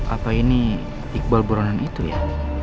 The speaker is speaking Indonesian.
apa ini iqbal buronan itu ya